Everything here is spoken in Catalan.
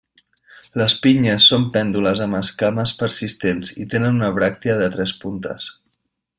Les pinyes són pèndules amb esquames persistents i tenen una bràctea de tres puntes.